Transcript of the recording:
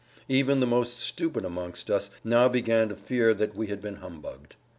Even the most stupid amongst us now began to fear that we had been humbugged.